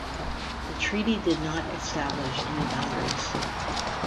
The treaty did not establish any boundaries.